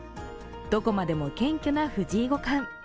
どこまでも謙虚な藤井五冠。